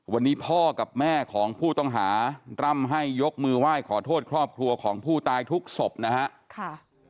วันนี้พ่อกับแม่ของผู้ต้องหาร่ำให้ยกมือไหว้ขอโทษครอบครัวของผู้ตายทุกศพนะฮะ